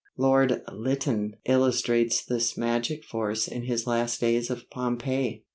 Lord Lytton illustrates this magic force in his Last Days of Pompeii.